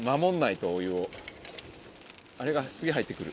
あれが、すげえ入ってくる。